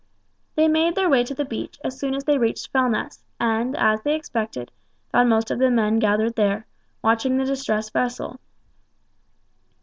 They made their way to the beach as soon as they reached Fellness, and, as they expected, found most of the men gathered there, watching the distressed vessel.